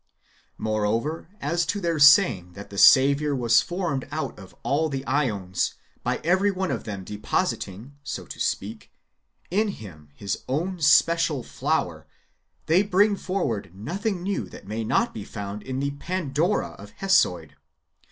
Moreover, as to their saying that the Saviour was formed out of all the ^ons, by every one of them deposit ing, so to speak, in Him his own special flower, they bring forward nothing new that may not be found in the Pandora of Hesiod.